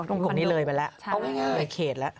ตรงกลุ่มนี้เลยไปละ